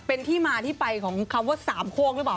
เป็นที่มาที่ไปของคำว่าสามโคกหรือเปล่า